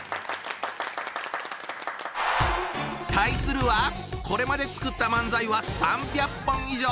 対するはこれまで作った漫才は３００本以上！